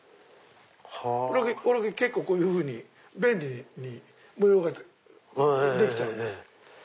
これがこういうふうに便利に模様ができちゃうんです。